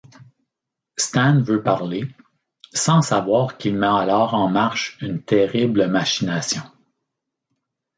Stan veut parler, sans savoir qu'il met alors en marche une terrible machination…